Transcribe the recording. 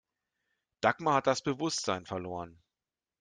Dagmar hat das Bewusstsein verloren.